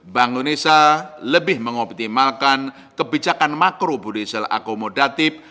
bank indonesia lebih mengoptimalkan kebijakan makro budisel akomodatif